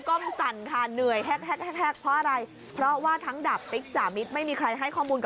คุณผู้ชมอุ้ย